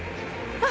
あっ！